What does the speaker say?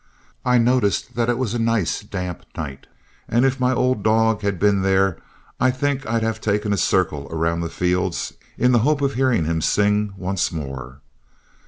I noticed that it was a nice damp night, and if my old dog had been there, I think I'd have taken a circle around the fields in the hope of hearing him sing once more.